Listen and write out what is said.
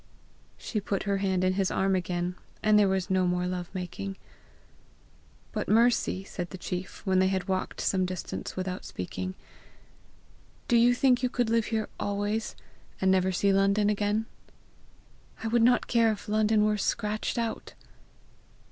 She put her hand in his arm again, and there was no more love making. "But Mercy," said the chief, when they had walked some distance without speaking, "do you think you could live here always, and never see London again?" "I would not care if London were scratched out."